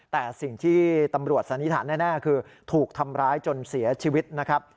แต่สิ่งที่ตำรวจสันนิษฐานแน่คือถูกทำร้ายจนเสียชีวิตนะครับ